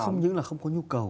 không những là không có nhu cầu